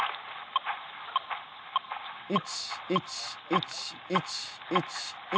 １１１１１１。